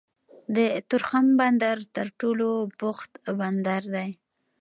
د تورخم بندر تر ټولو بوخت بندر دی